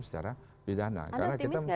secara bidana anda optimis gak sih